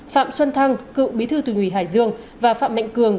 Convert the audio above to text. phạm xuân thăng cựu bí thư tùy ủy hải dương và phạm mạnh cường